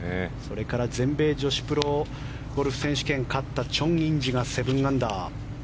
全米女子プロゴルフ選手権を勝ったチョン・インジが７アンダー。